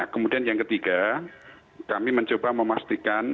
kemudian yang ketiga kami mencoba memastikan